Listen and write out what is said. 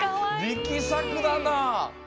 りきさくだな。